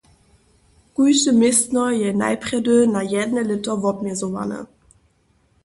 Kóžde městno je najprjedy na jedne lěto wobmjezowane.